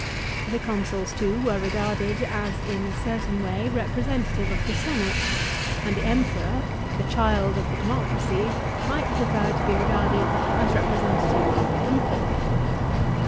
The consuls too were regarded as in a certain way representative of the senate ; and the Emperor, the child of the democracy, might prefer to be regarded as representative of the people.